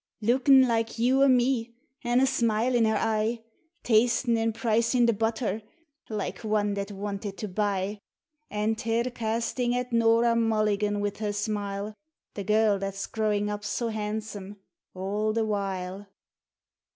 Lookin' like you or me, an' a smile in her eye, Tastin' an' pricin' the butter, like one that wanted to buy, An' her castin' at Norah Mulligan with her smile (The girl that's growin' up so handsome), all the while